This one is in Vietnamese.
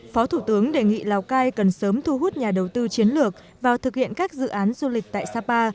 phó thủ tướng đề nghị lào cai cần sớm thu hút nhà đầu tư chiến lược vào thực hiện các dự án du lịch tại sapa